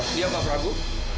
dia pak prabu